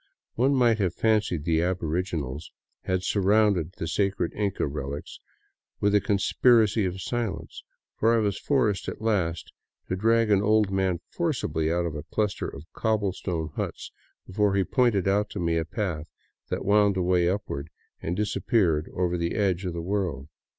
One might have fancied the aboriginals had surrounded the sacred Inca relics with a conspiracy of silence, for I was forced at last to drag an old man forcibly put of a cluster of cobble stone huts before he pointed out to me a path that wound away upward and disappeared over the edge of the world.